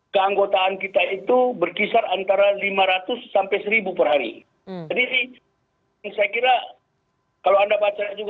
keanggotaan kita itu berkisar antara lima ratus sampai seribu perhari jadi saya kira kalau anda baca juga